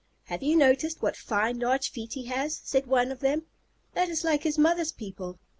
"Have you noticed what fine large feet he has?" said one of them. "That is like his mother's people.